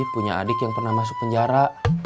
punya adik yang pernah masuk penjara